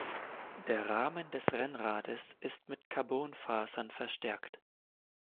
Der Rahmen des Rennrades ist mit Carbonfasern verstärkt.